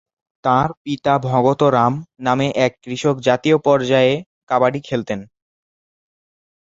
তাঁর পিতা ভগত রাম নামে এক কৃষক জাতীয় পর্যায়ে কাবাডি খেলতেন।